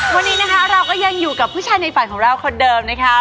วันนี้นะคะเราก็ยังอยู่กับผู้ชายในฝันของเราคนเดิมนะคะ